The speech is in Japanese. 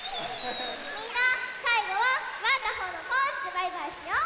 みんなさいごはワンダホーのポーズでバイバイしよう！